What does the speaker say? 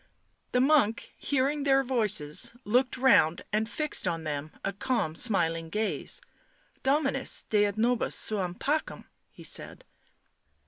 The monk, hearing their voices, looked round and fixed on them a calm smiling gaze. " Dominus det nobis suam pacem," he said.